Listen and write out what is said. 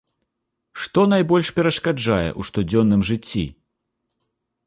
Што найбольш перашкаджае ў штодзённым жыцці?